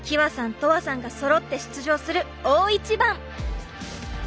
とわさんがそろって出場する大一番！